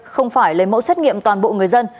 không phải lấy mẫu xét nghiệm toàn bộ người dân